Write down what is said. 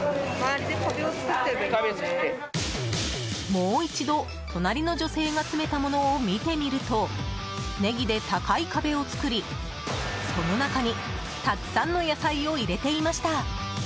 もう一度、隣の女性が詰めたものを見てみるとネギで高い壁を作りその中にたくさんの野菜を入れていました。